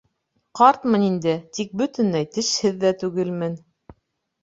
Ҡартмын инде, тик бөтөнләй тешһеҙ ҙә түгелмен.